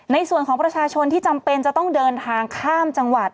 ในส่วนของประชาชนที่จำเป็นจะต้องเดินทางข้ามจังหวัด